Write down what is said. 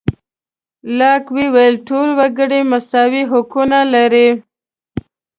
لاک وویل ټول وګړي مساوي حقونه لري.